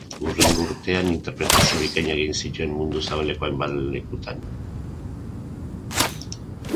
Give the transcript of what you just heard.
Hurrengo urtean, interpretazio bikainak egin zituen mundu zabaleko hainbat lekutan.